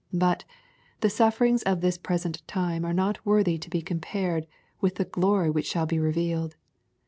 But " the sufferings of this present time fLXe not worthy to be compared with the glory which shajl be revealed."